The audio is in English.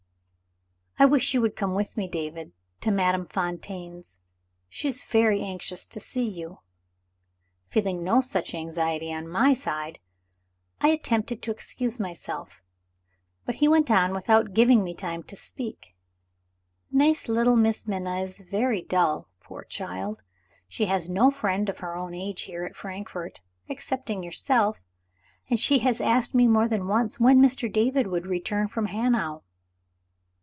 "I wish you would come with me, David, to Madame Fontaine's. She is very anxious to see you." Feeling no such anxiety on my side, I attempted to excuse myself; but he went on without giving me time to speak "Nice little Miss Minna is very dull, poor child. She has no friend of her own age here at Frankfort, excepting yourself. And she has asked me more than once when Mr. David would return from Hanau."